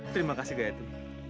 terima kasih gayatri